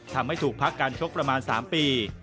ทำให้ถูกพักการชกประมาณ๓ปี